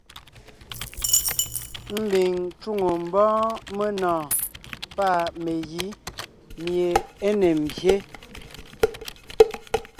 Ḿbiŋ ńcwoŋo ḿbɔ́ɔn menɔ̀ɔn pâ megǐ míe é ne ḿbyé.